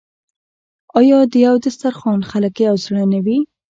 آیا د یو دسترخان خلک یو زړه نه وي؟